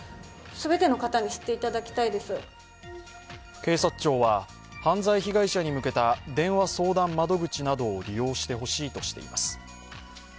警察庁は犯罪被害者に向けた電話相談窓口などを利用してほしいとしています。